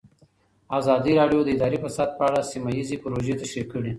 ازادي راډیو د اداري فساد په اړه سیمه ییزې پروژې تشریح کړې.